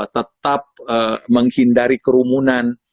tetap menghindari kerumunan